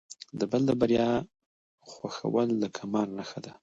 د بل د بریا خوښول د کمال نښه ده.